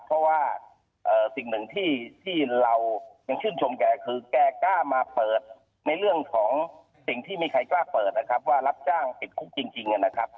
เพราะว่าสิ่งหนึ่งที่เรายังชื่นชมแกคือแกกล้ามาเปิดในเรื่องของสิ่งที่มีใครกล้าเปิดนะครับว่ารับจ้างติดคุกจริงนะครับ